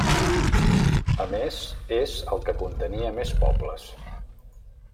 A més, és el que contenia més pobles.